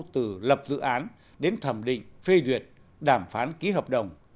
từ lập dự án đến thẩm định phê duyệt đàm phán ký hợp đồng